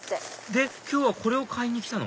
で今日はこれを買いに来たの？